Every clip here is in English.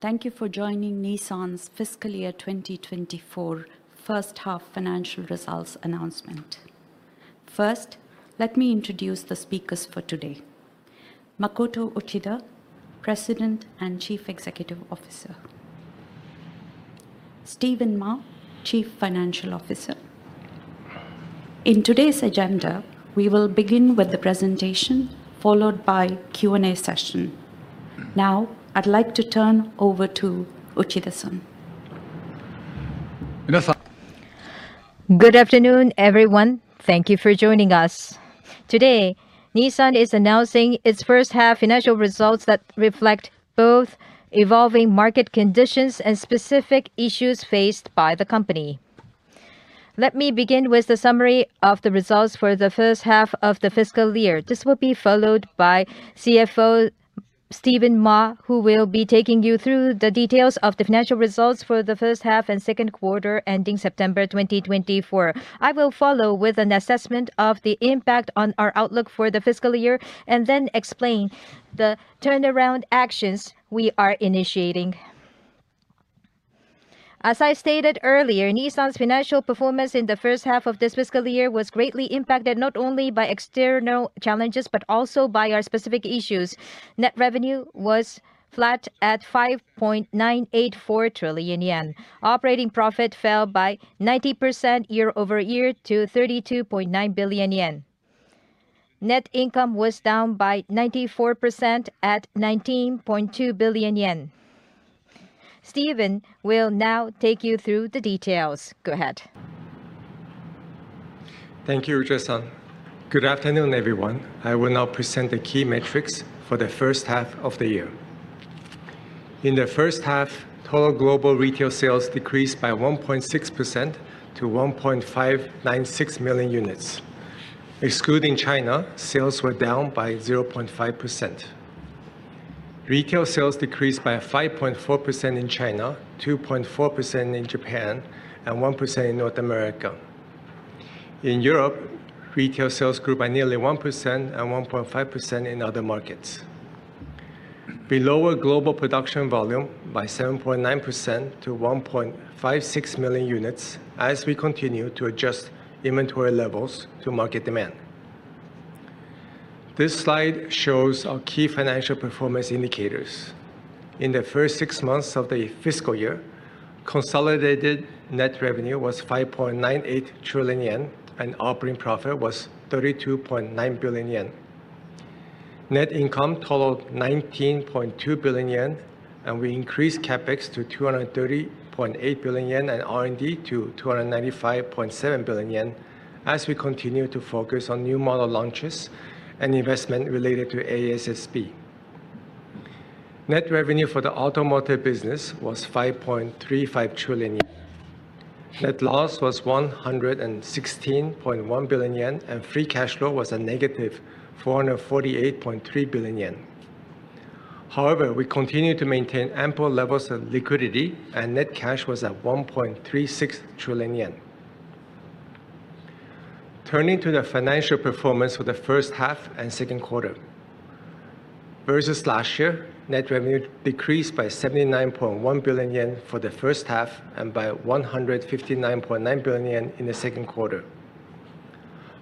Thank you for joining Nissan's Fiscal Year 2024 First Half Financial Results Announcement. First, let me introduce the speakers for today: Makoto Uchida, President and Chief Executive Officer. Stephen Ma, Chief Financial Officer. In today's agenda, we will begin with the presentation, followed by a Q&A session. Now, I'd like to turn over to Uchida-san. Good afternoon, everyone. Thank you for joining us. Today, Nissan is announcing its first half financial results that reflect both evolving market conditions and specific issues faced by the company. Let me begin with the summary of the results for the first half of the fiscal year. This will be followed by CFO Stephen Ma, who will be taking you through the details of the financial results for the first half and second quarter ending September 2024. I will follow with an assessment of the impact on our outlook for the fiscal year and then explain the turnaround actions we are initiating. As I stated earlier, Nissan's financial performance in the first half of this fiscal year was greatly impacted not only by external challenges but also by our specific issues. Net revenue was flat at 5.984 trillion yen. Operating profit fell by 90% year-over-year to 32.9 billion yen. Net income was down by 94% at 19.2 billion yen. Stephen will now take you through the details. Go ahead. Thank you, Uchida. Good afternoon, everyone. I will now present the key metrics for the first half of the year. In the first half, total global retail sales decreased by 1.6% to 1.596 million units. Excluding China, sales were down by 0.5%. Retail sales decreased by 5.4% in China, 2.4% in Japan, and 1% in North America. In Europe, retail sales grew by nearly 1% and 1.5% in other markets. We lowered global production volume by 7.9% to 1.56 million units as we continue to adjust inventory levels to market demand. This slide shows our key financial performance indicators. In the first six months of the fiscal year, consolidated net revenue was 5.98 trillion yen, and operating profit was 32.9 billion yen. Net income totaled 19.2 billion yen, and we increased CapEx to 230.8 billion yen and R&D to 295.7 billion yen as we continue to focus on new model launches and investment related to ASSB. Net revenue for the automotive business was 5.35 trillion yen. Net loss was 116.1 billion yen, and free cash flow was a negative 448.3 billion yen. However, we continue to maintain ample levels of liquidity, and net cash was at 1.36 trillion yen. Turning to the financial performance for the First Half and Second Quarter. Versus last year, net revenue decreased by 79.1 billion yen for the First Half and by 159.9 billion yen in the Second Quarter.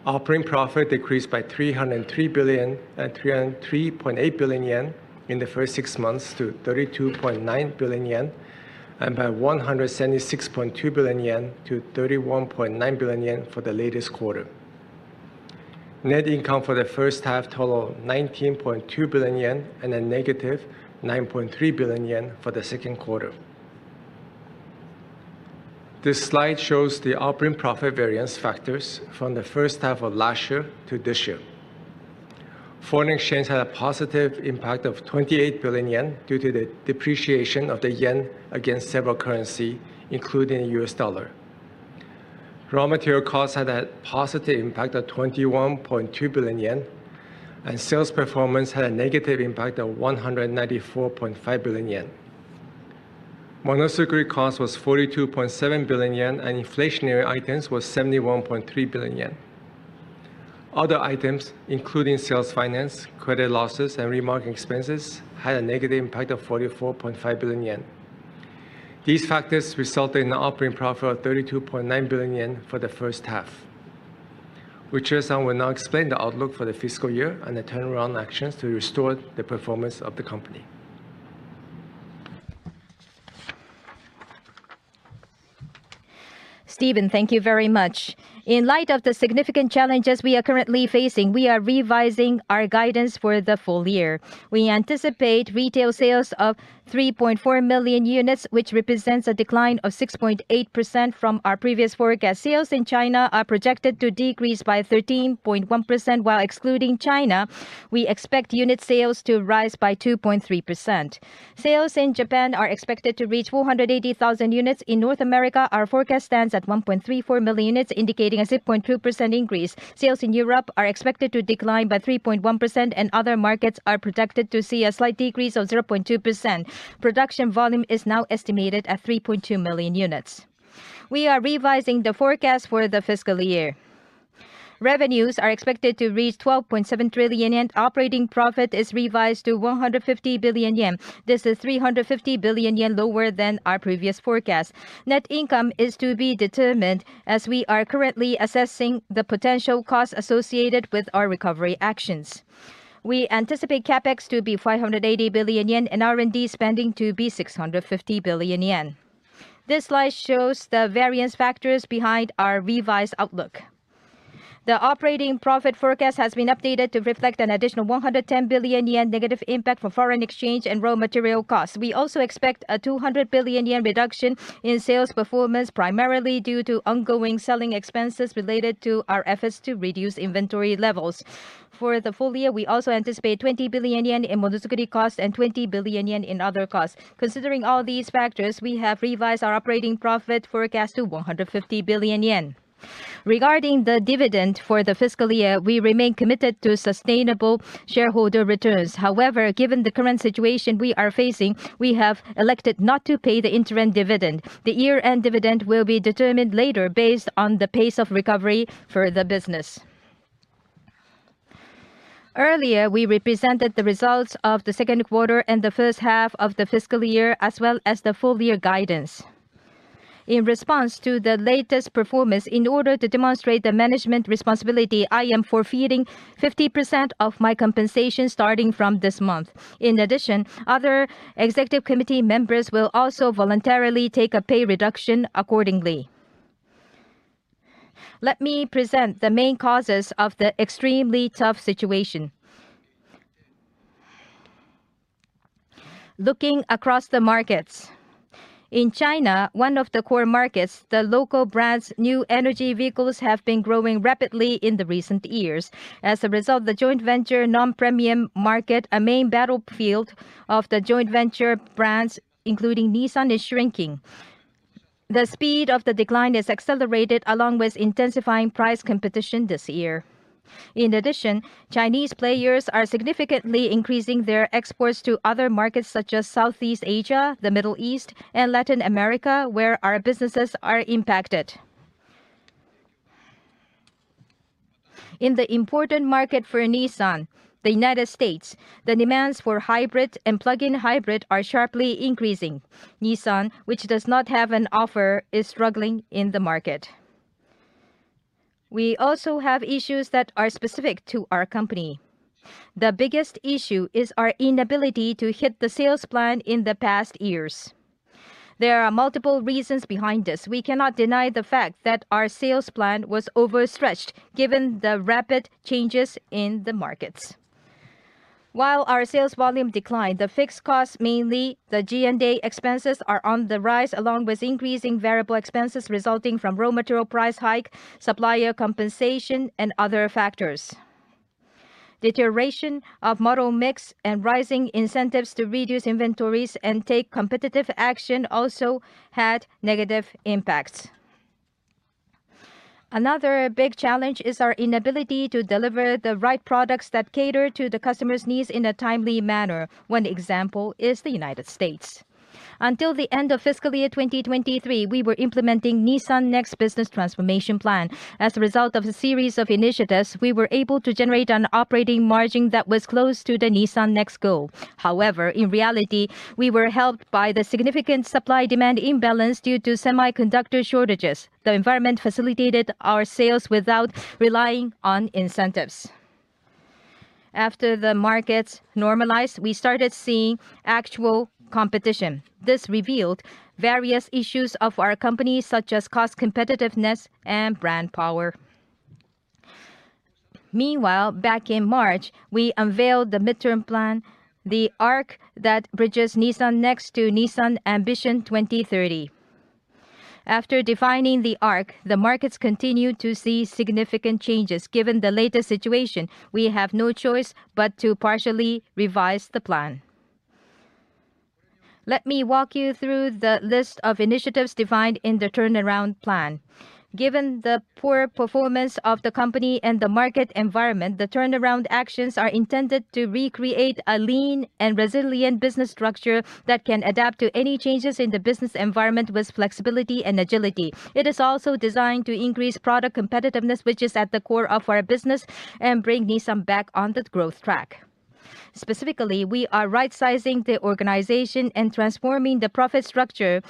Operating profit decreased by 303.8 billion in the first six months to 32.9 billion yen and by 176.2 billion yen to 31.9 billion yen for the latest quarter. Net income for the First Half totaled 19.2 billion yen and a negative 9.3 billion yen for the Second Quarter. This slide shows the operating profit variance factors from the First Half of last year to this year. Foreign exchange had a positive impact of 28 billion yen due to the depreciation of the yen against several currencies, including the U.S. dollar. Raw material costs had a positive impact of 21.2 billion yen, and sales performance had a negative impact of 194.5 billion yen. Monozukuri costs was 42.7 billion yen, and inflationary items were JPY 71.3 billion. Other items, including sales finance, credit losses, and marketing expenses, had a negative impact of 44.5 billion yen. These factors resulted in an operating profit of 32.9 billion yen for the First Half. Uchida will now explain the outlook for the fiscal year and the turnaround actions to restore the performance of the company. Stephen, thank you very much. In light of the significant challenges we are currently facing, we are revising our guidance for the full year. We anticipate retail sales of 3.4 million units, which represents a decline of 6.8% from our previous forecast. Sales in China are projected to decrease by 13.1%. While excluding China, we expect unit sales to rise by 2.3%. Sales in Japan are expected to reach 480,000 units. In North America, our forecast stands at 1.34 million units, indicating a 6.2% increase. Sales in Europe are expected to decline by 3.1%, and other markets are projected to see a slight decrease of 0.2%. Production volume is now estimated at 3.2 million units. We are revising the forecast for the fiscal year. Revenues are expected to reach 12.7 trillion yen. Operating profit is revised to 150 billion yen. This is 350 billion yen lower than our previous forecast. Net income is to be determined as we are currently assessing the potential costs associated with our recovery actions. We anticipate CapEx to be 580 billion yen and R&D spending to be 650 billion yen. This slide shows the variance factors behind our revised outlook. The operating profit forecast has been updated to reflect an additional 110 billion yen negative impact for foreign exchange and raw material costs. We also expect a 200 billion yen reduction in sales performance, primarily due to ongoing selling expenses related to our efforts to reduce inventory levels. For the full year, we also anticipate 20 billion yen in Monozukuri costs and 20 billion yen in other costs. Considering all these factors, we have revised our operating profit forecast to 150 billion yen. Regarding the dividend for the fiscal year, we remain committed to sustainable shareholder returns. However, given the current situation we are facing, we have elected not to pay the interim dividend. The year-end dividend will be determined later based on the pace of recovery for the business. Earlier, we presented the results of the second quarter and the first half of the fiscal year, as well as the full-year guidance. In response to the latest performance, in order to demonstrate the management responsibility, I am forfeiting 50% of my compensation starting from this month. In addition, other executive committee members will also voluntarily take a pay reduction accordingly. Let me present the main causes of the extremely tough situation, looking across the markets. In China, one of the core markets, the local brand's new energy vehicles have been growing rapidly in the recent years. As a result, the joint venture non-premium market, a main battlefield of the joint venture brands, including Nissan, is shrinking. The speed of the decline is accelerated along with intensifying price competition this year. In addition, Chinese players are significantly increasing their exports to other markets such as Southeast Asia, the Middle East, and Latin America, where our businesses are impacted. In the important market for Nissan, the United States, the demands for hybrid and plug-in hybrid are sharply increasing. Nissan, which does not have an offer, is struggling in the market. We also have issues that are specific to our company. The biggest issue is our inability to hit the sales plan in the past years. There are multiple reasons behind this. We cannot deny the fact that our sales plan was overstretched given the rapid changes in the markets. While our sales volume declined, the fixed costs, mainly the G&A expenses, are on the rise along with increasing variable expenses resulting from raw material price hike, supplier compensation, and other factors. Deterioration of model mix and rising incentives to reduce inventories and take competitive action also had negative impacts. Another big challenge is our inability to deliver the right products that cater to the customer's needs in a timely manner. One example is the United States. Until the end of fiscal year 2023, we were implementing Nissan Next Business Transformation Plan. As a result of a series of initiatives, we were able to generate an operating margin that was close to the Nissan Next goal. However, in reality, we were helped by the significant supply-demand imbalance due to semiconductor shortages. The environment facilitated our sales without relying on incentives. After the markets normalized, we started seeing actual competition. This revealed various issues of our company, such as cost competitiveness and brand power. Meanwhile, back in March, we unveiled the midterm plan, The Arc that bridges Nissan Next to Nissan Ambition 2030. After defining The Arc, the markets continued to see significant changes. Given the latest situation, we have no choice but to partially revise the plan. Let me walk you through the list of initiatives defined in the turnaround plan. Given the poor performance of the company and the market environment, the turnaround actions are intended to recreate a lean and resilient business structure that can adapt to any changes in the business environment with flexibility and agility. It is also designed to increase product competitiveness, which is at the core of our business, and bring Nissan back on the growth track. Specifically, we are right-sizing the organization and transforming the profit structure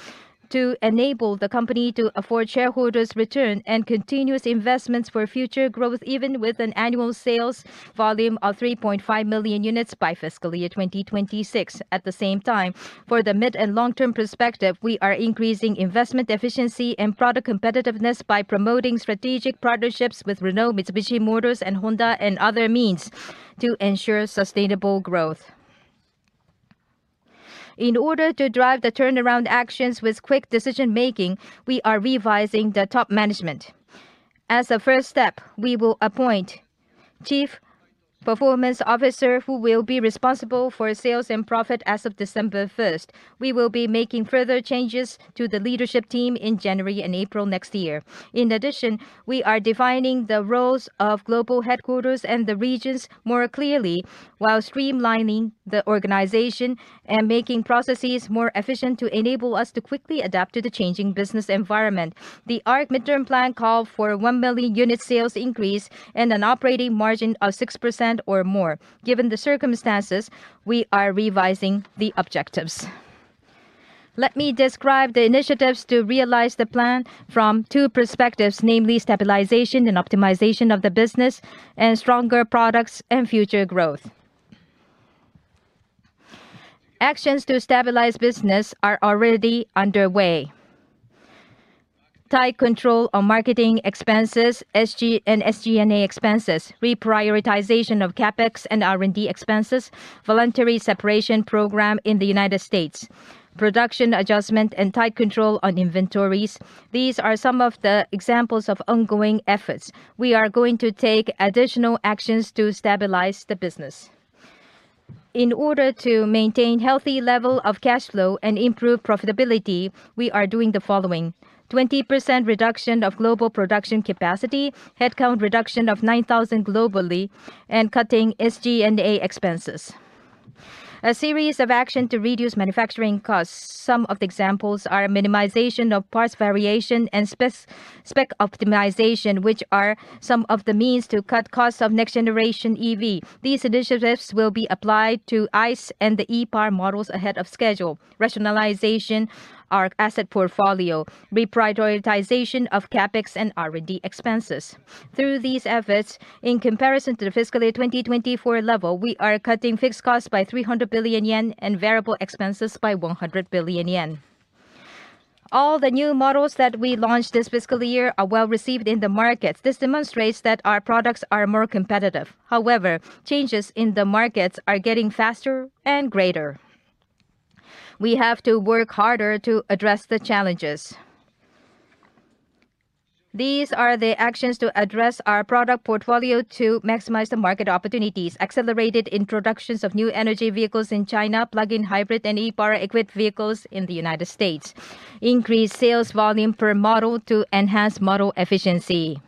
to enable the company to afford shareholders' return and continuous investments for future growth, even with an annual sales volume of 3.5 million units by fiscal year 2026. At the same time, for the mid and long-term perspective, we are increasing investment efficiency and product competitiveness by promoting strategic partnerships with Renault, Mitsubishi Motors, and Honda and other means to ensure sustainable growth. In order to drive the turnaround actions with quick decision-making, we are revising the top management. As a first step, we will appoint Chief Performance Officer, who will be responsible for sales and profit as of December 1st. We will be making further changes to the leadership team in January and April next year. In addition, we are defining the roles of global headquarters and the regions more clearly while streamlining the organization and making processes more efficient to enable us to quickly adapt to the changing business environment. The Arc midterm plan calls for a one million unit sales increase and an operating margin of 6% or more. Given the circumstances, we are revising the objectives. Let me describe the initiatives to realize the plan from two perspectives, namely stabilization and optimization of the business and stronger products and future growth. Actions to stabilize business are already underway. Tight control on marketing expenses and SG&A expenses, reprioritization of CapEx and R&D expenses, voluntary separation program in the United States, production adjustment, and tight control on inventories. These are some of the examples of ongoing efforts. We are going to take additional actions to stabilize the business. In order to maintain a healthy level of cash flow and improve profitability, we are doing the following: 20% reduction of global production capacity, headcount reduction of 9,000 globally, and cutting SG&A expenses. A series of actions to reduce manufacturing costs. Some of the examples are minimization of parts variation and spec optimization, which are some of the means to cut costs of next-generation EVs. These initiatives will be applied to ICE and the E-Power models ahead of schedule. Rationalization of our asset portfolio, reprioritization of CapEx and R&D expenses. Through these efforts, in comparison to the fiscal year 2024 level, we are cutting fixed costs by 300 billion yen and variable expenses by 100 billion yen. All the new models that we launched this fiscal year are well received in the markets. This demonstrates that our products are more competitive. However, changes in the markets are getting faster and greater. We have to work harder to address the challenges. These are the actions to address our product portfolio to maximize the market opportunities: accelerated introductions of new energy vehicles in China, plug-in hybrid and e-POWER equipped vehicles in the United States, increased sales volume per model to enhance model efficiency,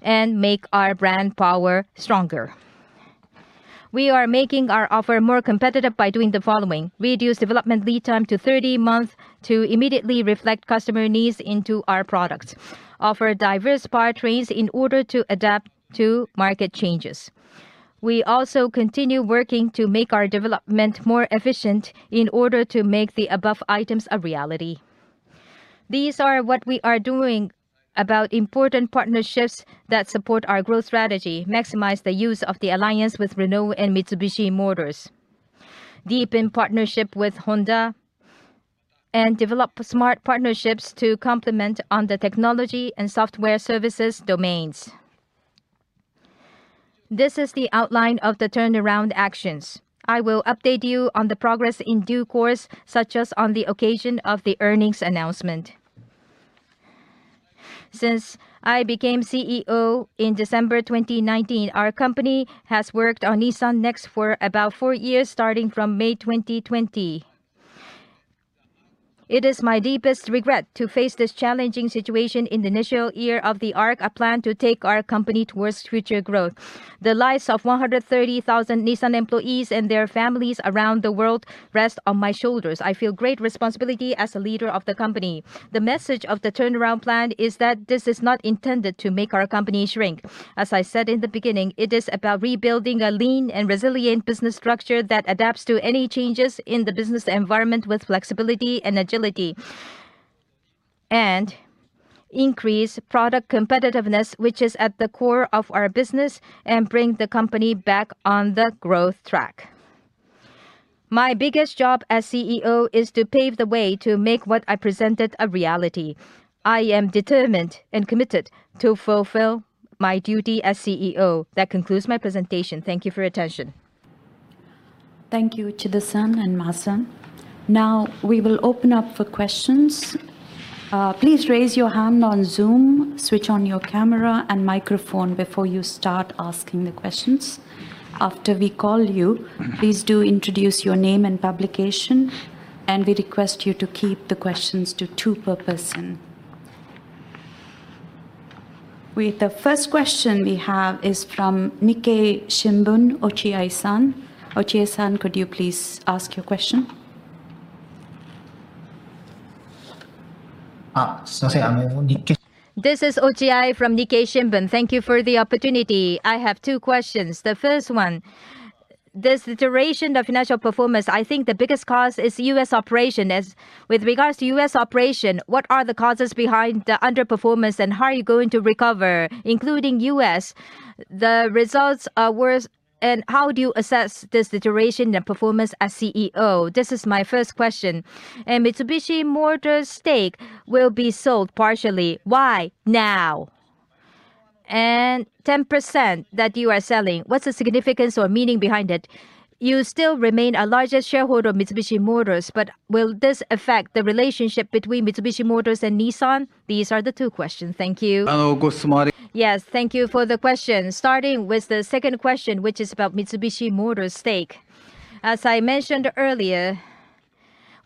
and make our brand power stronger. We are making our offer more competitive by doing the following: reduce development lead time to 30 months to immediately reflect customer needs into our products, offer diverse powertrains in order to adapt to market changes. We also continue working to make our development more efficient in order to make the above items a reality. These are what we are doing about important partnerships that support our growth strategy: maximize the use of the Alliance with Renault and Mitsubishi Motors, deepen partnership with Honda, and develop smart partnerships to complement on the technology and software services domains. This is the outline of the turnaround actions. I will update you on the progress in due course, such as on the occasion of the earnings announcement. Since I became CEO in December 2019, our company has worked on Nissan Next for about four years, starting from May 2020. It is my deepest regret to face this challenging situation in the initial year of The Arc, a plan to take our company towards future growth. The lives of 130,000 Nissan employees and their families around the world rest on my shoulders. I feel great responsibility as a leader of the company. The message of the turnaround plan is that this is not intended to make our company shrink. As I said in the beginning, it is about rebuilding a lean and resilient business structure that adapts to any changes in the business environment with flexibility and agility, and increasing product competitiveness, which is at the core of our business, and bringing the company back on the growth track. My biggest job as CEO is to pave the way to make what I presented a reality. I am determined and committed to fulfill my duty as CEO. That concludes my presentation. Thank you for your attention. Thank you Uchida- san and Ma-san. Now, we will open up for questions. Please raise your hand on Zoom, switch on your camera and microphone before you start asking the questions. After we call you, please do introduce your name and publication, and we request you to keep the questions to two per person. With the first question we have is from Nikkei Shimbun, Ochiai-san. Ochiai-san, could you please ask your question? This is Ochiai from Nikkei Shimbun. Thank you for the opportunity. I have two questions. The first one, this iteration of financial performance, I think the biggest cost is U.S. operation. With regards to U.S. operation, what are the causes behind the underperformance and how are you going to recover, including U.S.? The results are worse, and how do you assess this situation and performance as CEO? This is my first question. And Mitsubishi Motors' stake will be sold partially. Why now? And 10% that you are selling, what's the significance or meaning behind it? You still remain a largest shareholder of Mitsubishi Motors, but will this affect the relationship between Mitsubishi Motors and Nissan? These are the two questions. Thank you. Yes, thank you for the question. Starting with the second question, which is about Mitsubishi Motors' stake. As I mentioned earlier,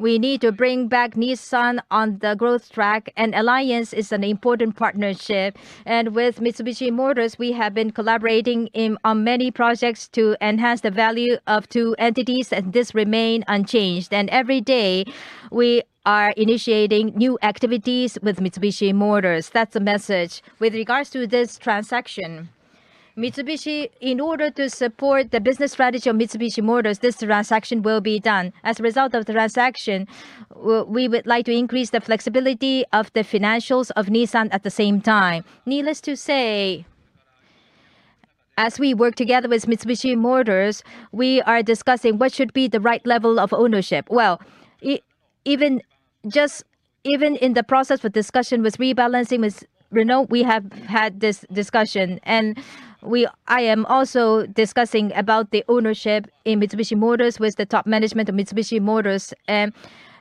we need to bring back Nissan on the growth track, and Alliance is an important partnership. And with Mitsubishi Motors, we have been collaborating on many projects to enhance the value of two entities, and this remains unchanged. And every day, we are initiating new activities with Mitsubishi Motors. That's the message. With regards to this transaction, Mitsubishi, in order to support the business strategy of Mitsubishi Motors, this transaction will be done. As a result of the transaction, we would like to increase the flexibility of the financials of Nissan at the same time. Needless to say, as we work together with Mitsubishi Motors, we are discussing what should be the right level of ownership. Even just in the process of discussion with rebalancing with Renault, we have had this discussion. I am also discussing about the ownership in Mitsubishi Motors with the top management of Mitsubishi Motors.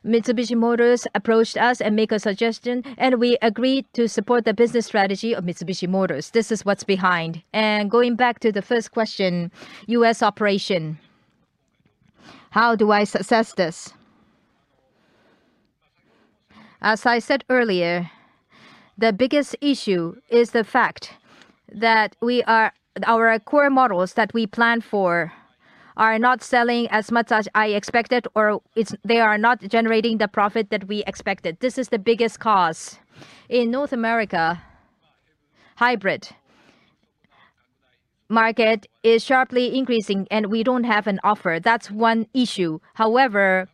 Mitsubishi Motors approached us and made a suggestion, and we agreed to support the business strategy of Mitsubishi Motors. This is what's behind. Going back to the first question, U.S. operation, how do I succeed this? As I said earlier, the biggest issue is the fact that our core models that we plan for are not selling as much as I expected, or they are not generating the profit that we expected. This is the biggest cause. In North America, hybrid market is sharply increasing, and we don't have an offer. That's one issue. However,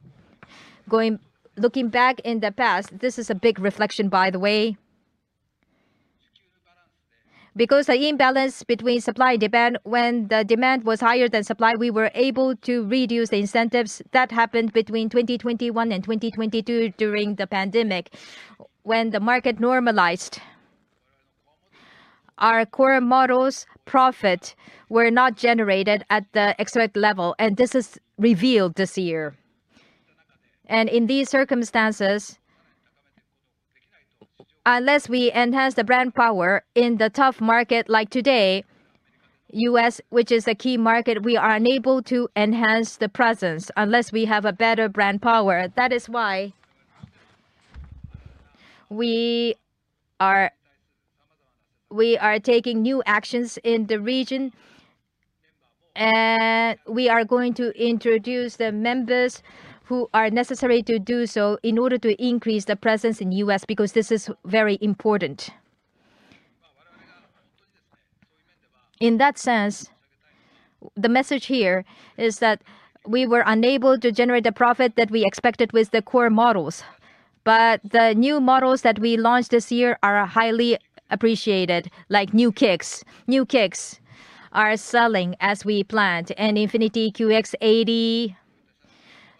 looking back in the past, this is a big reflection, by the way, because the imbalance between supply and demand, when the demand was higher than supply, we were able to reduce the incentives. That happened between 2021 and 2022 during the pandemic. When the market normalized, our core models' profit were not generated at the expected level, and this is revealed this year. And in these circumstances, unless we enhance the brand power in the tough market like today, U.S., which is a key market, we are unable to enhance the presence unless we have a better brand power. That is why we are taking new actions in the region, and we are going to introduce the members who are necessary to do so in order to increase the presence in the U.S. because this is very important. In that sense, the message here is that we were unable to generate the profit that we expected with the core models, but the new models that we launched this year are highly appreciated, like Nissan Kicks. Nissan Kicks are selling as we planned, and Infiniti QX80,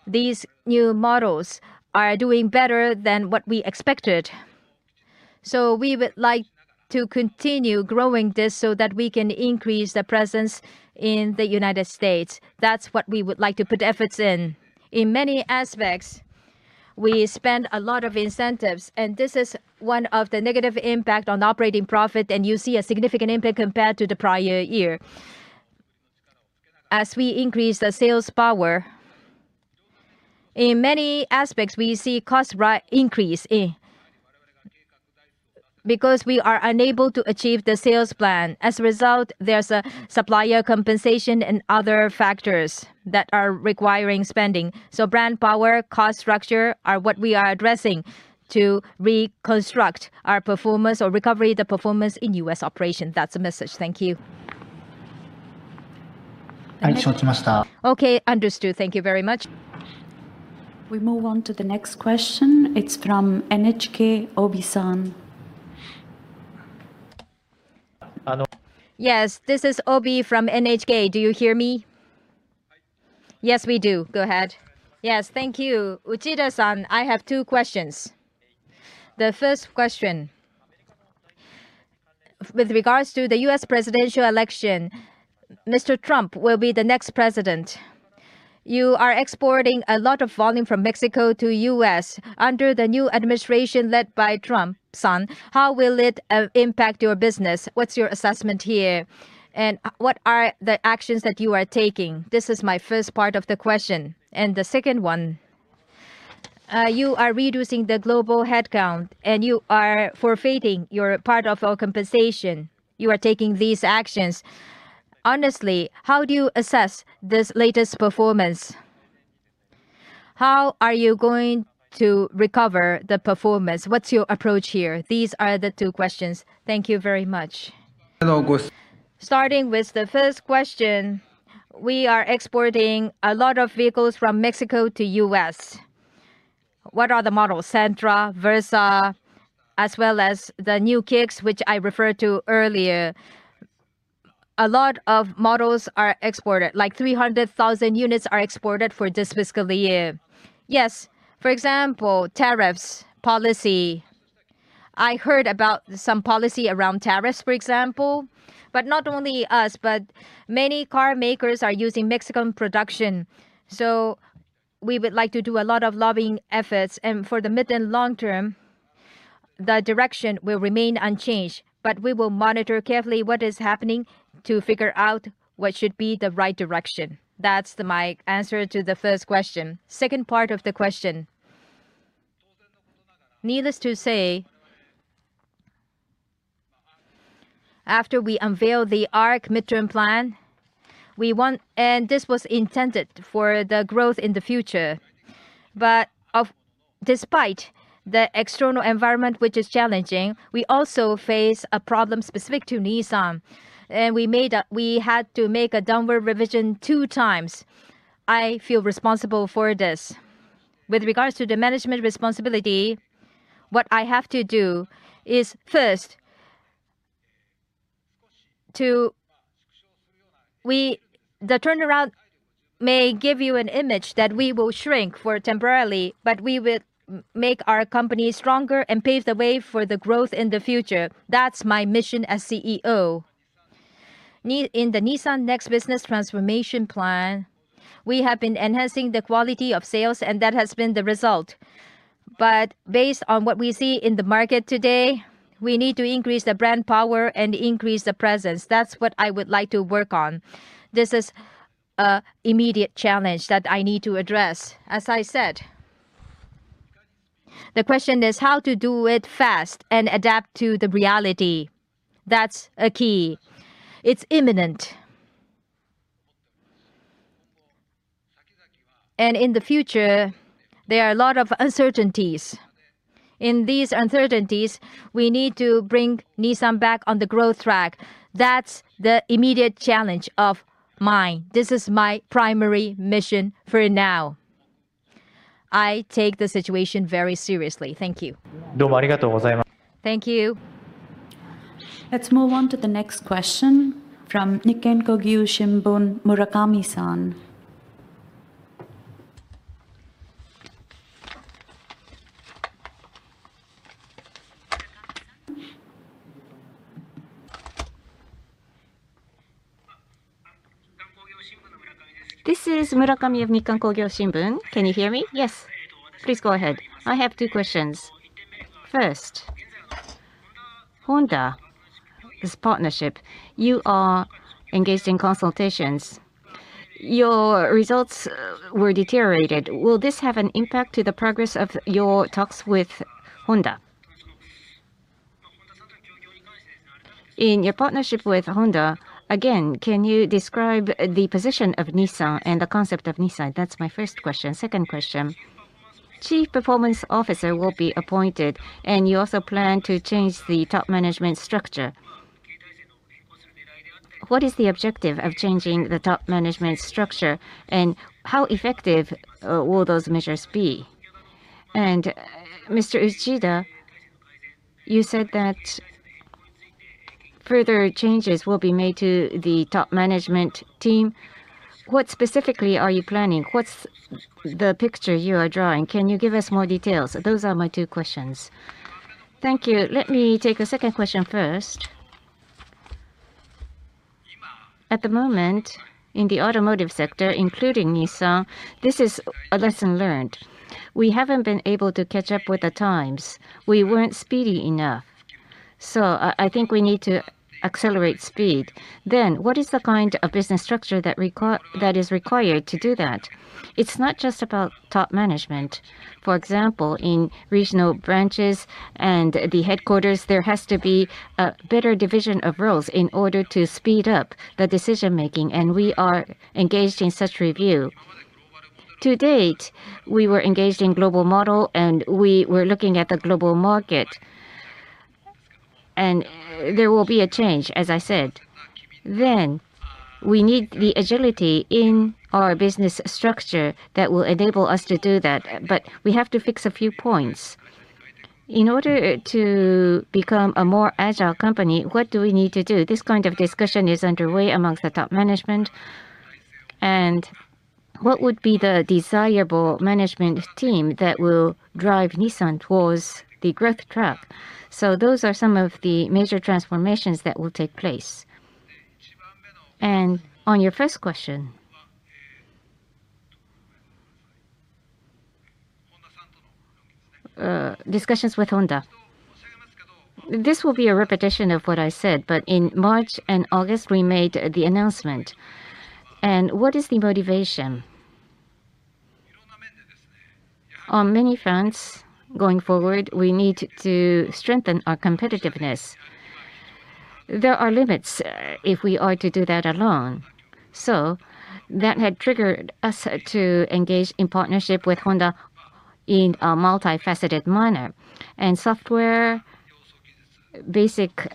these new models are doing better than what we expected. So we would like to continue growing this so that we can increase the presence in the United States. That's what we would like to put efforts in. In many aspects, we spend a lot of incentives, and this is one of the negative impacts on operating profit, and you see a significant impact compared to the prior year. As we increase the sales power, in many aspects, we see cost increase because we are unable to achieve the sales plan. As a result, there's a supplier compensation and other factors that are requiring spending. So brand power, cost structure are what we are addressing to reconstruct our performance or recovery of the performance in U.S. operations. That's the message. Thank you. Okay, understood. Thank you very much. We move on to the next question. It's from NHK's Obi-san. Yes, this is Obi from NHK. Do you hear me? Yes, we do. Go ahead. Yes, thank you. Uchida-san, I have two questions. The first question, with regards to the U.S. presidential election, Mr. Trump will be the next president. You are exporting a lot of volume from Mexico to the U.S. Under the new administration led by Trump-san, how will it impact your business? What's your assessment here? And what are the actions that you are taking? This is my first part of the question. And the second one, you are reducing the global headcount, and you are forfeiting your part of your compensation. You are taking these actions. Honestly, how do you assess this latest performance? How are you going to recover the performance? What's your approach here? These are the two questions. Thank you very much. Starting with the first question, we are exporting a lot of vehicles from Mexico to the U.S. What are the models? Sentra, Versa, as well as the New Kicks, which I referred to earlier. A lot of models are exported, like 300,000 units are exported for this fiscal year. Yes, for example, tariffs policy. I heard about some policy around tariffs, for example, but not only us, but many car makers are using Mexican production. So we would like to do a lot of lobbying efforts, and for the mid and long term, the direction will remain unchanged, but we will monitor carefully what is happening to figure out what should be the right direction. That's my answer to the first question. Second part of the question, needless to say, after we unveil the ARC midterm plan, we want, and this was intended for the growth in the future. But despite the external environment, which is challenging, we also face a problem specific to Nissan, and we had to make a downward revision two times. I feel responsible for this. With regards to the management responsibility, what I have to do is first to, the turnaround may give you an image that we will shrink for temporarily, but we will make our company stronger and pave the way for the growth in the future. That's my mission as CEO. In the Nissan Next Business Transformation Plan, we have been enhancing the quality of sales, and that has been the result. But based on what we see in the market today, we need to increase the brand power and increase the presence. That's what I would like to work on. This is an immediate challenge that I need to address. As I said, the question is how to do it fast and adapt to the reality. That's a key. It's imminent, and in the future, there are a lot of uncertainties. In these uncertainties, we need to bring Nissan back on the growth track. That's the immediate challenge of mine. This is my primary mission for now. I take the situation very seriously. Thank you. Thank you. Let's move on to the next question from Nikkan Kogyo Shimbun, Murakami-san. This is Murakami of Nikkan Kogyo Shimbun. Can you hear me? Yes. Please go ahead. I have two questions. First, Honda. This partnership, you are engaged in consultations. Your results were deteriorated. Will this have an impact on the progress of your talks with Honda? In your partnership with Honda, again, can you describe the position of Nissan and the concept of Nissan? That's my first question. Second question, Chief Performance Officer will be appointed, and you also plan to change the top management structure. What is the objective of changing the top management structure, and how effective will those measures be? And Mr. Uchida, you said that further changes will be made to the top management team. What specifically are you planning? What's the picture you are drawing? Can you give us more details? Those are my two questions. Thank you. Let me take a second question first. At the moment, in the automotive sector, including Nissan, this is a lesson learned. We haven't been able to catch up with the times. We weren't speedy enough. So I think we need to accelerate speed. Then, what is the kind of business structure that is required to do that? It's not just about top management. For example, in regional branches and the headquarters, there has to be a better division of roles in order to speed up the decision-making, and we are engaged in such review. To date, we were engaged in global models, and we were looking at the global market, and there will be a change, as I said. Then, we need the agility in our business structure that will enable us to do that, but we have to fix a few points. In order to become a more agile company, what do we need to do? This kind of discussion is underway among the top management, and what would be the desirable management team that will drive Nissan toward the growth track, so those are some of the major transformations that will take place, and on your first question, discussions with Honda, this will be a repetition of what I said, but in March and August, we made the announcement, and what is the motivation? On many fronts, going forward, we need to strengthen our competitiveness. There are limits if we are to do that alone, so that had triggered us to engage in partnership with Honda in a multifaceted manner, and software, basic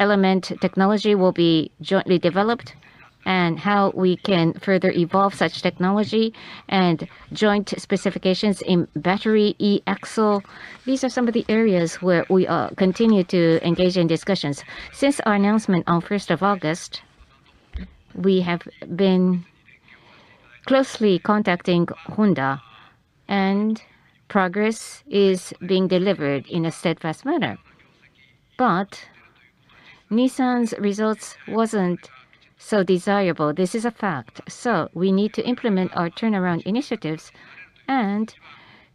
element technology will be jointly developed, and how we can further evolve such technology and joint specifications in e-Axle. These are some of the areas where we continue to engage in discussions. Since our announcement on 1st of August, we have been closely contacting Honda, and progress is being delivered in a steadfast manner. But Nissan's results weren't so desirable. This is a fact. So we need to implement our turnaround initiatives and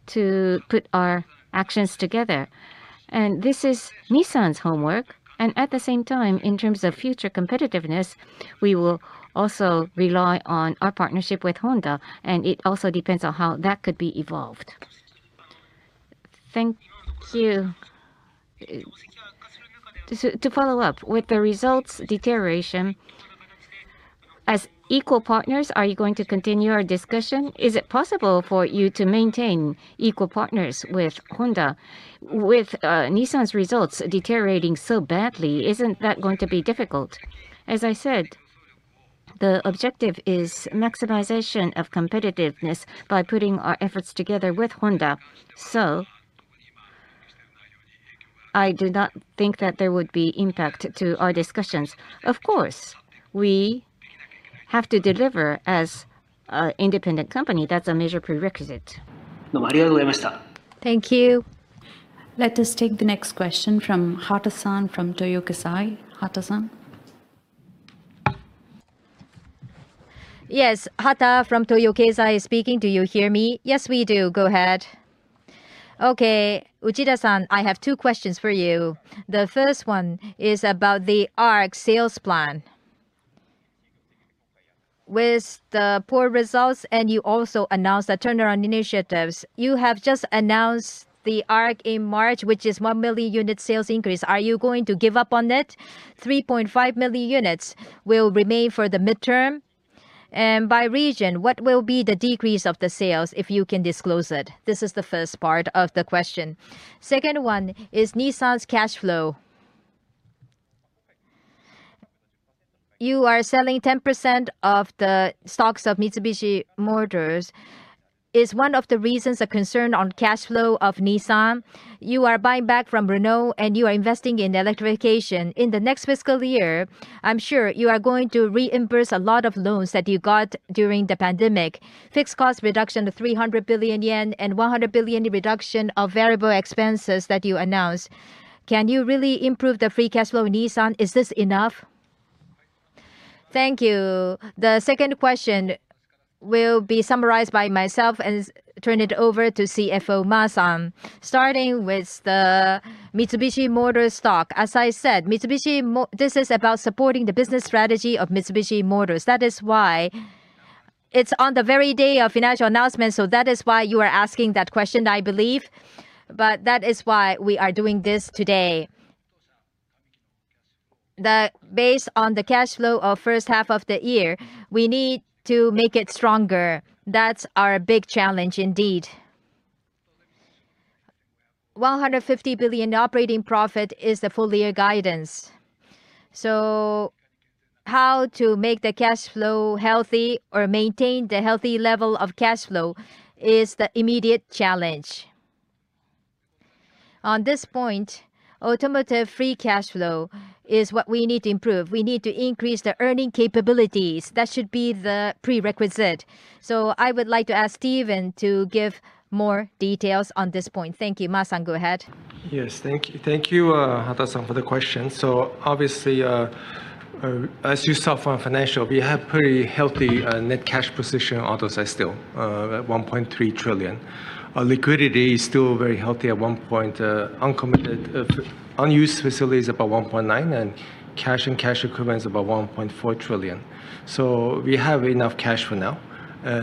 to put our actions together. And this is Nissan's homework. And at the same time, in terms of future competitiveness, we will also rely on our partnership with Honda, and it also depends on how that could be evolved. Thank you. To follow up with the results deterioration, as equal partners, are you going to continue our discussion? Is it possible for you to maintain equal partners with Honda? With Nissan's results deteriorating so badly, isn't that going to be difficult? As I said, the objective is maximization of competitiveness by putting our efforts together with HondaSo I do not think that there would be an impact to our discussions. Of course, we have to deliver as an independent company. That's a major prerequisite. Thank you. Let us take the next question from Hata-san from Toyo Keizai. Hata-san? Yes, Hata from Toyo Keizai is speaking. Do you hear me? Yes, we do. Go ahead. Okay, Uchida-san, I have two questions for you. The first one is about the Arc sales plan. With the poor results and you also announced the turnaround initiatives, you have just announced the Arc in March, which is a one million unit sales increase. Are you going to give up on it? 3.5 million units will remain for the midterm. And by region, what will be the decrease of the sales if you can disclose it? This is the first part of the question. Second one is Nissan's cash flow. You are selling 10% of the stocks of Mitsubishi Motors. Is one of the reasons a concern on cash flow of Nissan? You are buying back from Renault, and you are investing in electrification. In the next fiscal year, I'm sure you are going to reimburse a lot of loans that you got during the pandemic. Fixed cost reduction of 300 billion yen and 100 billion reduction of variable expenses that you announced. Can you really improve the free cash flow of Nissan? Is this enough? Thank you. The second question will be summarized by myself and turn it over to CFO Ma-san. Starting with the Mitsubishi Motors stock. As I said, Mitsubishi, this is about supporting the business strategy of Mitsubishi Motors. That is why it's on the very day of financial announcement. So that is why you are asking that question, I believe. But that is why we are doing this today. Based on the cash flow of the first half of the year, we need to make it stronger. That's our big challenge indeed. 150 billion operating profit is the full year guidance. So how to make the cash flow healthy or maintain the healthy level of cash flow is the immediate challenge. On this point, automotive free cash flow is what we need to improve. We need to increase the earning capabilities. That should be the prerequisite. So I would like to ask Stephen to give more details on this point. Thank you. Ma-san, go ahead. Yes, thank you. Thank you, Hata-san, for the question. So obviously, as you saw from financial, we have a pretty healthy net cash position, although it's still at JPY 1.3 trillion. Liquidity is still very healthy at 1. Uncommitted, unused facilities are about 1.9 trillion, and cash and cash equivalents are about 1.4 trillion. So we have enough cash for now.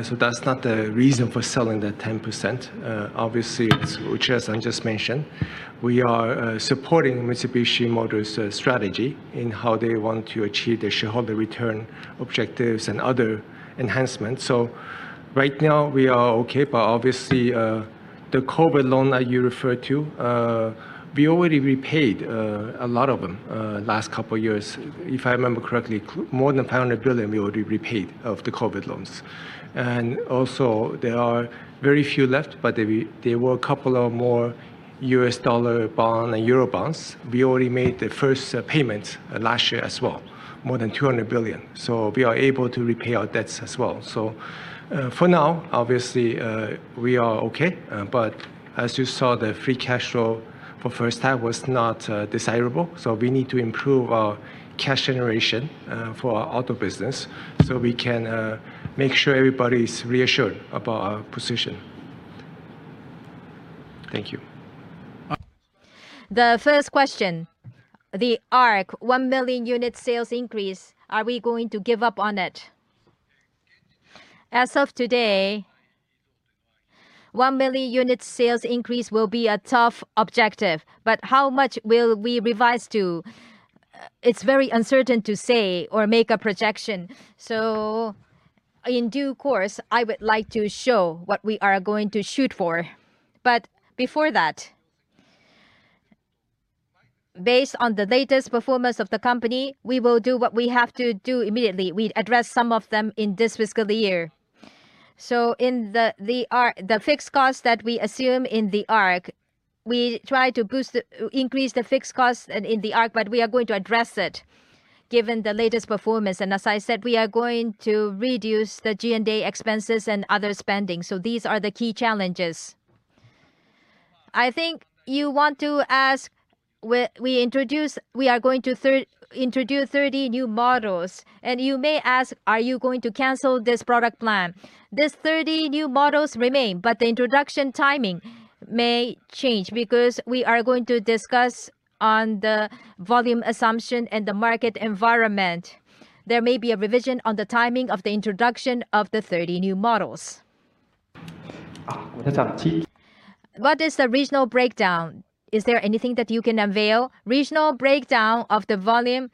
So that's not the reason for selling the 10%. Obviously, as Uchida-san just mentioned, we are supporting Mitsubishi Motors' strategy in how they want to achieve their shareholder return objectives and other enhancements. So right now, we are okay, but obviously, the COVID loan that you referred to, we already repaid a lot of them the last couple of years. If I remember correctly, more than 500 billion we already repaid of the COVID loans. And also, there are very few left, but there were a couple of more U.S. dollar bonds and euro bonds. We already made the first payment last year as well, more than 200 billion. So we are able to repay our debts as well. So for now, obviously, we are okay. But as you saw, the free cash flow for the first half was not desirable. So we need to improve our cash generation for our auto business so we can make sure everybody is reassured about our position. Thank you. The first question, the Arc, one million unit sales increase, are we going to give up on it? As of today, one million unit sales increase will be a tough objective. But how much will we revise to? It's very uncertain to say or make a projection. So in due course, I would like to show what we are going to shoot for. But before that, based on the latest performance of the company, we will do what we have to do immediately. We address some of them in this fiscal year. In the fixed costs that we assume in the ARC, we try to increase the fixed costs in the ARC, but we are going to address it given the latest performance. And as I said, we are going to reduce the G&A expenses and other spending. So these are the key challenges. I think you want to ask, we are going to introduce 30 new models. And you may ask, are you going to cancel this product plan? These 30 new models remain, but the introduction timing may change because we are going to discuss on the volume assumption and the market environment. There may be a revision on the timing of the introduction of the 30 new models. What is the regional breakdown? Is there anything that you can unveil? Regional breakdown of the volume,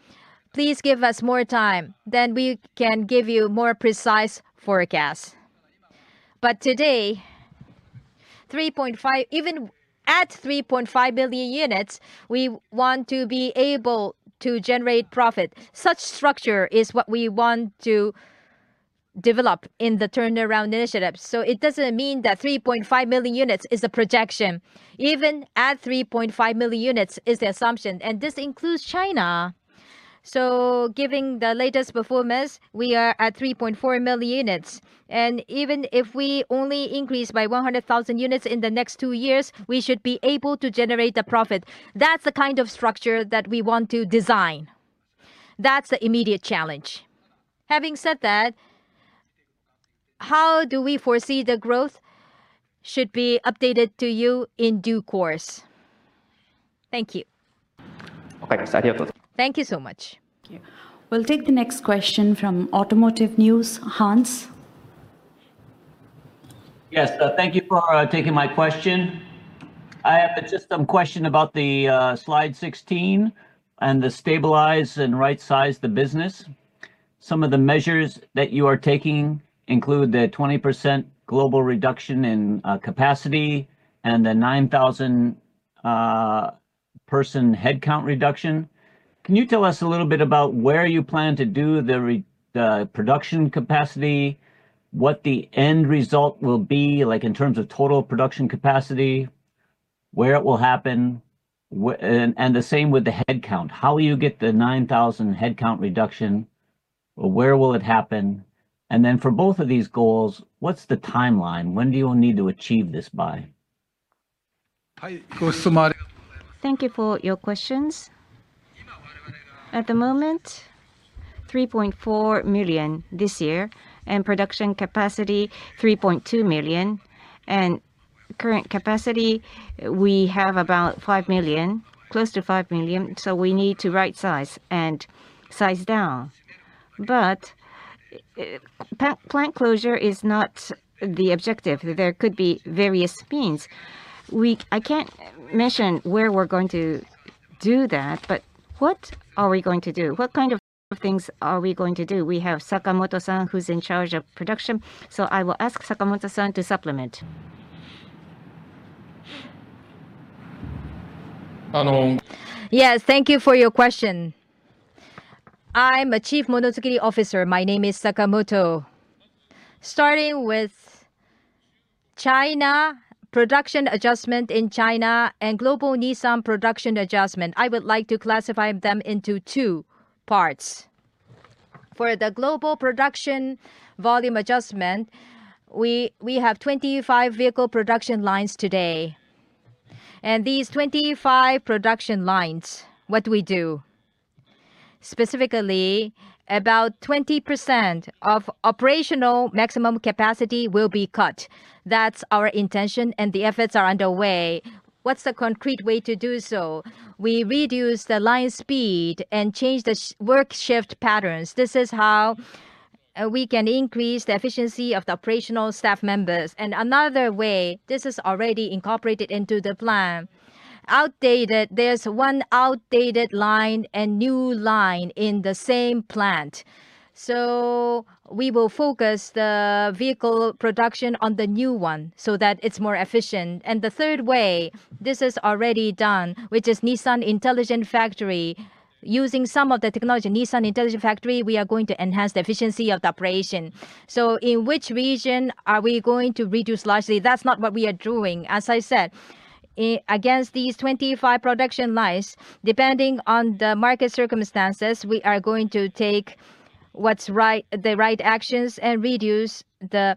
please give us more time. Then we can give you a more precise forecast. But today, even at 3.5 million units, we want to be able to generate profit. Such structure is what we want to develop in the turnaround initiative. So it doesn't mean that 3.5 million units is a projection. Even at 3.5 million units is the assumption. And this includes China. So given the latest performance, we are at 3.4 million units. And even if we only increase by 100,000 units in the next two years, we should be able to generate the profit. That's the kind of structure that we want to design. That's the immediate challenge. Having said that, how do we foresee the growth? Should be updated to you in due course. Thank you. Thank you so much. We'll take the next question from Automotive News. Hans. Yes, thank you for taking my question. I have just some questions about the slide 16 and the stabilize and right-size the business. Some of the measures that you are taking include the 20% global reduction in capacity and the 9,000-person headcount reduction. Can you tell us a little bit about where you plan to do the production capacity, what the end result will be like in terms of total production capacity, where it will happen, and the same with the headcount? How will you get the 9,000 headcount reduction? Where will it happen? And then for both of these goals, what's the timeline? When do you need to achieve this by? Thank you for your questions. At the moment, 3.4 million this year and production capacity 3.2 million. And current capacity, we have about 5 million, close to 5 million. So we need to right-size and size down. But plant closure is not the objective. There could be various means. I can't mention where we're going to do that, but what are we going to do? What kind of things are we going to do? We have Sakamoto-san who's in charge of production. So I will ask Sakamoto-san to supplement. Yes, thank you for your question. I'm the Chief Monozukuri Officer. My name is Sakamoto. Starting with China production adjustment in China and global Nissan production adjustment, I would like to classify them into two parts. For the global production volume adjustment, we have 25 vehicle production lines today. And these 25 production lines, what do we do? Specifically, about 20% of operational maximum capacity will be cut. That's our intention, and the efforts are underway. What's the concrete way to do so? We reduce the line speed and change the work shift patterns. This is how we can increase the efficiency of the operational staff members, and another way, this is already incorporated into the plan. Outdated, there's one outdated line and new line in the same plant, so we will focus the vehicle production on the new one so that it's more efficient, and the third way, this is already done, which is Nissan Intelligent Factory. Using some of the technology, Nissan Intelligent Factory, we are going to enhance the efficiency of the operation, so in which region are we going to reduce largely? That's not what we are doing. As I said, against these 25 production lines, depending on the market circumstances, we are going to take the right actions and reduce the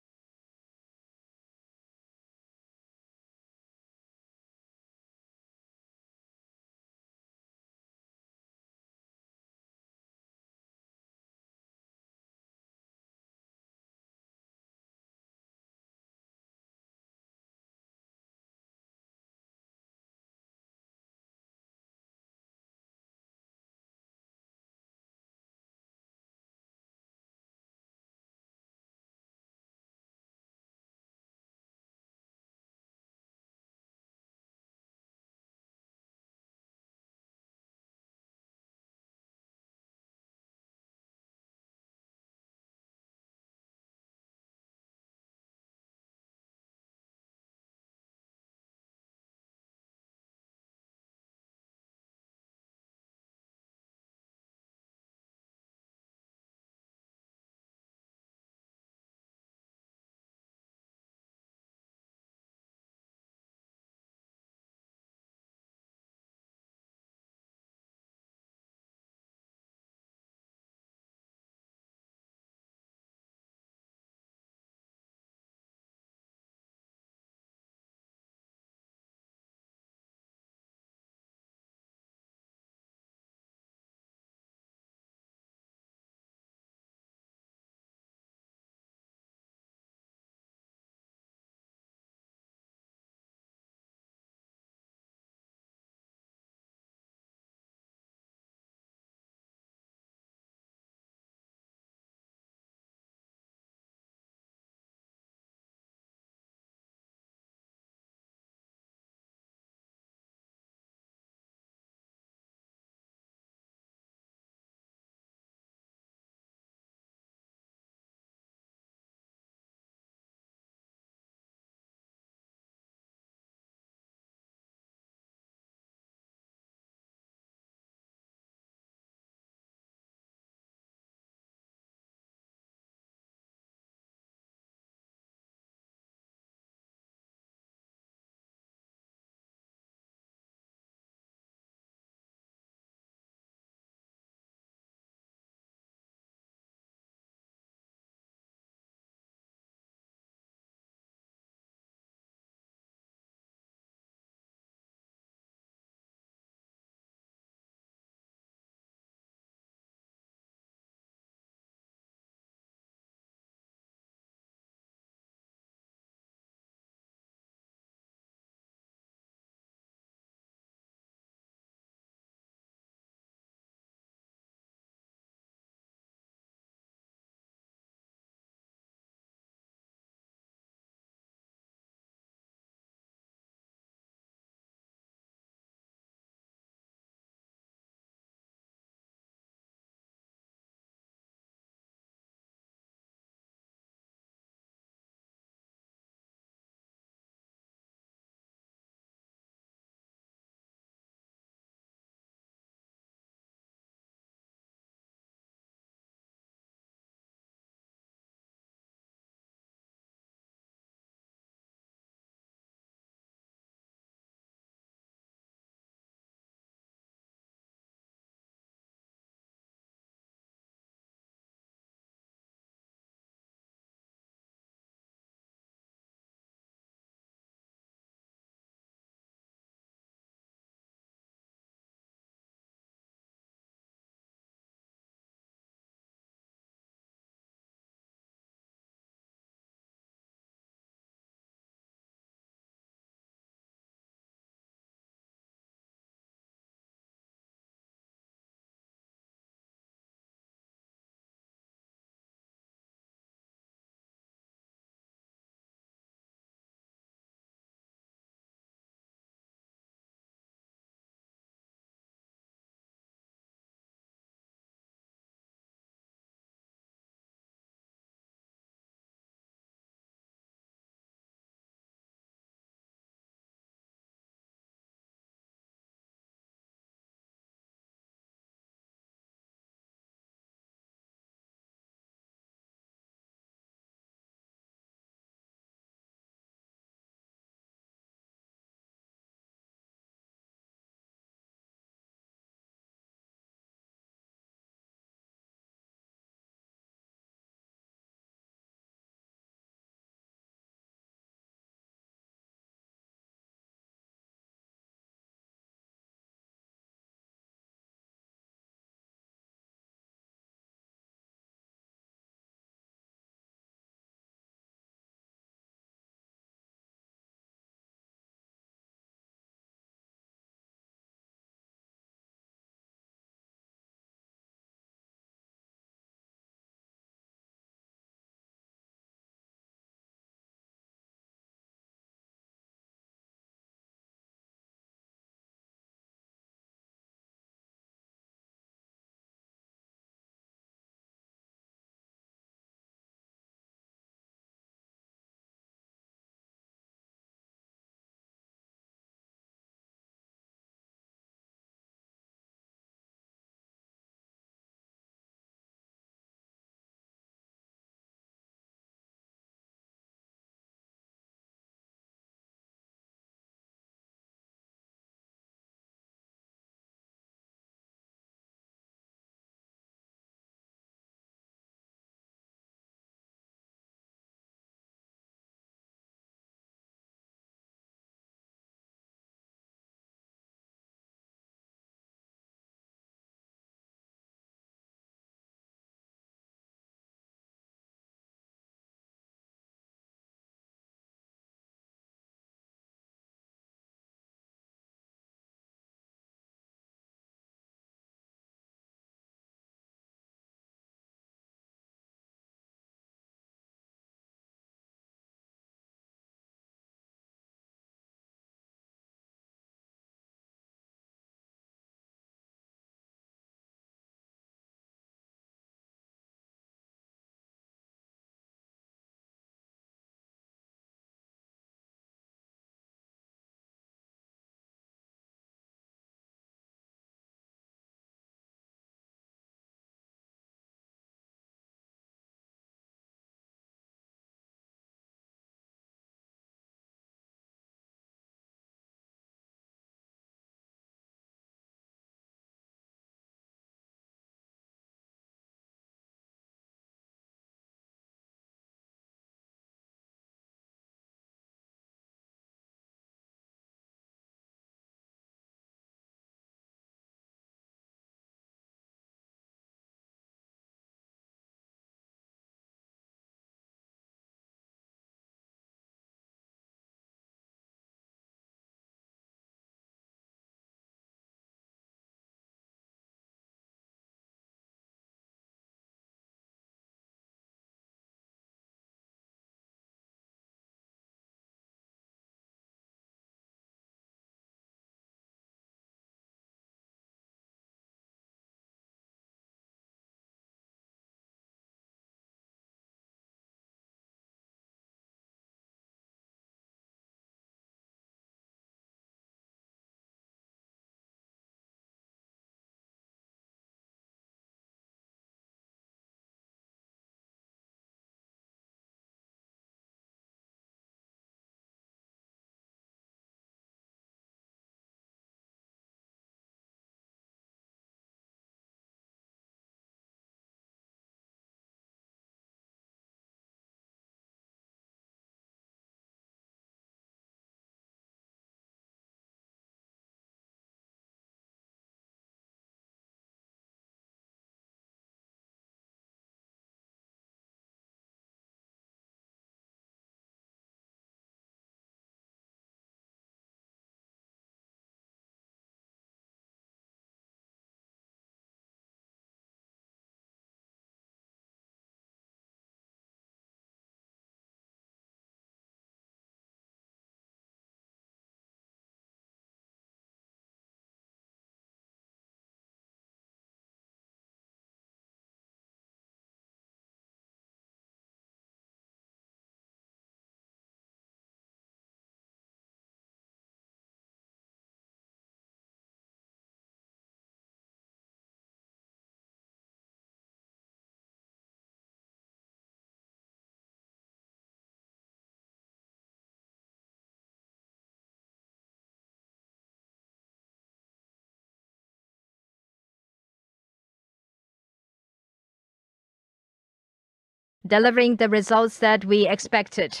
delivering the results that we expected,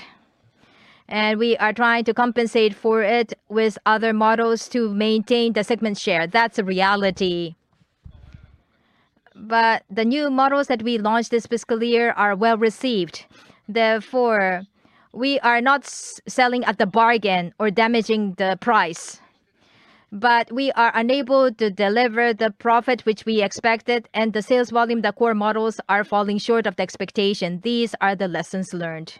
and we are trying to compensate for it with other models to maintain the segment share. That's a reality. But the new models that we launched this fiscal year are well received. Therefore, we are not selling at the bargain or damaging the price. But we are unable to deliver the profit which we expected, and the sales volume, the core models are falling short of the expectation. These are the lessons learned.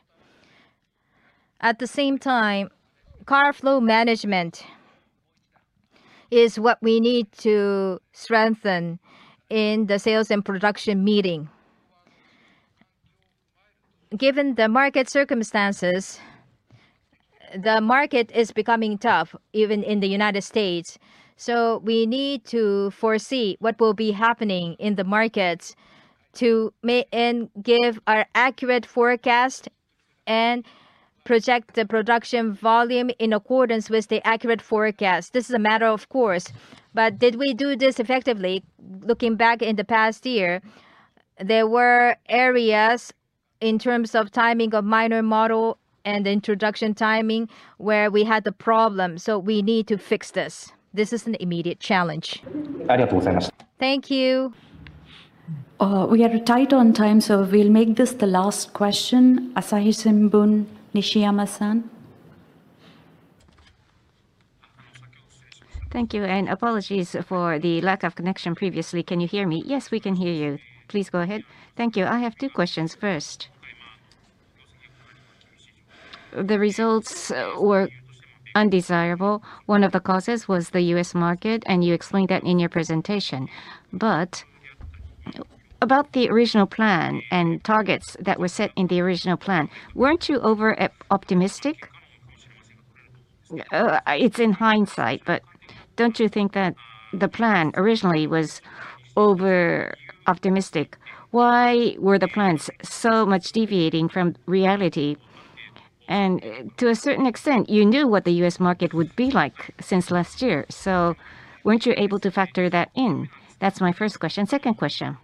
At the same time, cash flow management is what we need to strengthen in the sales and production meeting. Given the market circumstances, the market is becoming tough, even in the United States. So we need to foresee what will be happening in the markets to give our accurate forecast and project the production volume in accordance with the accurate forecast. This is a matter of course. But did we do this effectively? Looking back in the past year, there were areas in terms of timing of minor model and the introduction timing where we had the problem. So we need to fix this. This is an immediate challenge. ありがとうございました。Thank you. We are tight on time, so we'll make this the last question. Asahi Shimbun, Nishiyama-san. Thank you. And apologies for the lack of connection previously. Can you hear me? Yes, we can hear you. Please go ahead. Thank you. I have two questions. First, the results were undesirable. One of the causes was the U.S. market, and you explained that in your presentation. But about the original plan and targets that were set in the original plan, weren't you over-optimistic? It's in hindsight, but don't you think that the plan originally was over-optimistic? Why were the plans so much deviating from reality? To a certain extent, you knew what the U.S. market would be like since last year. Weren't you able to factor that in? That's my first question. Second question.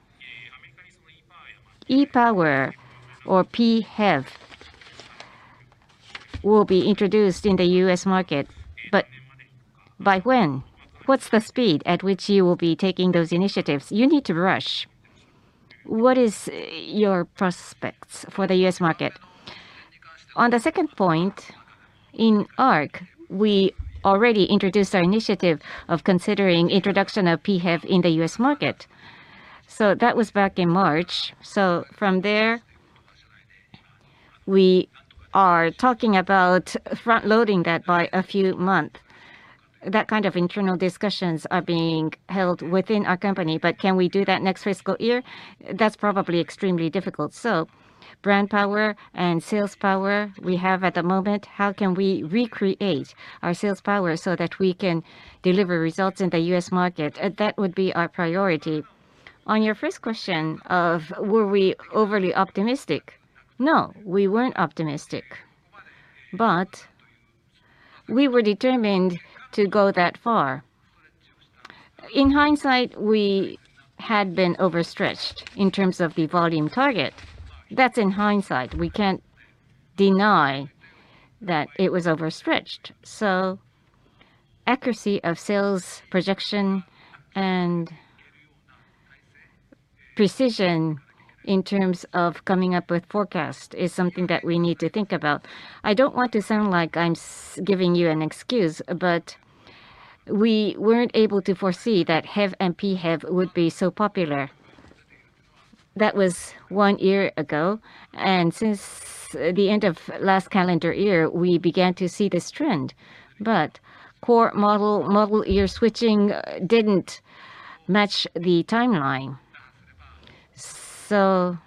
e-POWER or PHEV will be introduced in the U.S. market, but by when? What's the speed at which you will be taking those initiatives? You need to rush. What are your prospects for the U.S. market? On the second point, in The Arc, we already introduced our initiative of considering the introduction of PHEV in the U.S. market. That was back in March. From there, we are talking about front-loading that by a few months. That kind of internal discussions are being held within our company. But can we do that next fiscal year? That's probably extremely difficult. Brand power and sales power we have at the moment, how can we recreate our sales power so that we can deliver results in the U.S. market? That would be our priority. On your first question of whether we were overly optimistic? No, we weren't optimistic. But we were determined to go that far. In hindsight, we had been overstretched in terms of the volume target. That's in hindsight. We can't deny that it was overstretched. So accuracy of sales projection and precision in terms of coming up with forecasts is something that we need to think about. I don't want to sound like I'm giving you an excuse, but we weren't able to foresee that HEV and PHEV would be so popular. That was one year ago. And since the end of last calendar year, we began to see this trend. But core model year switching didn't match the timeline. So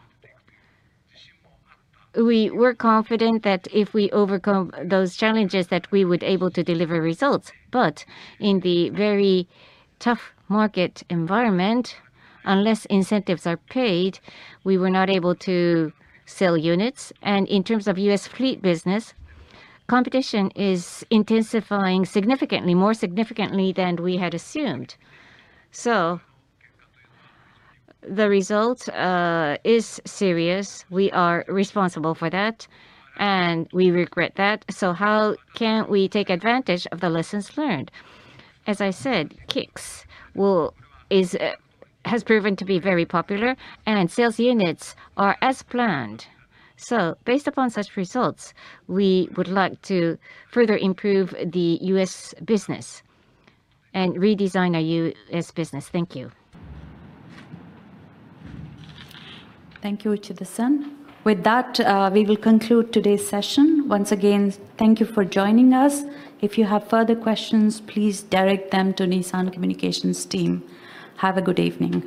we were confident that if we overcome those challenges, that we would be able to deliver results. But in the very tough market environment, unless incentives are paid, we were not able to sell units. And in terms of U.S. fleet business, competition is intensifying significantly, more significantly than we had assumed. So the result is serious. We are responsible for that, and we regret that. So how can we take advantage of the lessons learned? As I said, Kicks has proven to be very popular, and sales units are as planned. So based upon such results, we would like to further improve the U.S. business and redesign our U.S. business. Thank you. Thank you, Richardson. With that, we will conclude today's session. Once again, thank you for joining us. If you have further questions, please direct them to Nissan Communications team. Have a good evening.